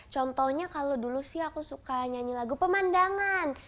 contohnya kalau dulu sih aku suka nyanyi lagu pemandangan